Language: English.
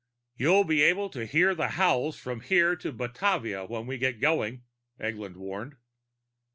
"You'll be able to hear the howls from here to Batavia when we get going," Eglin warned.